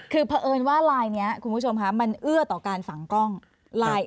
คือเพราะเอิญว่าลายนี้คุณผู้ชมคะมันเอื้อต่อการฝังกล้อง